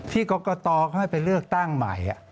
กรกตเขาให้ไปเลือกตั้งใหม่